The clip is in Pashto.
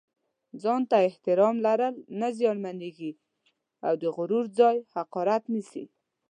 ځان ته احترام لرل زیانمېږي او د غرور ځای حقارت نیسي.